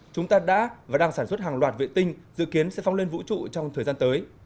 chúng ta đã và đang sản xuất hàng loạt vệ tinh dự kiến sẽ phóng lên vũ trụ trong thời gian tới